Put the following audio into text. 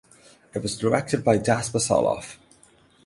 It was directed by Jasper Soloff.